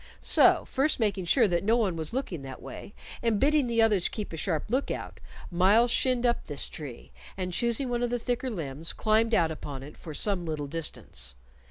So, first making sure that no one was looking that way, and bidding the others keep a sharp lookout, Myles shinned up this tree, and choosing one of the thicker limbs, climbed out upon it for some little distance.